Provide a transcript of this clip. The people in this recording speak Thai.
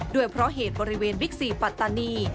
ด้วยเพราะเหตุบริเวณบิ๊กซีปัตตานี